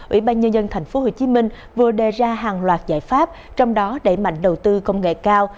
ủy ban nhân dân tp hcm vừa đề ra hàng loạt giải pháp trong đó đẩy mạnh đầu tư công nghệ cao